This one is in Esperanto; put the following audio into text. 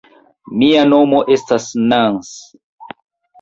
Mia nomo estas Nans.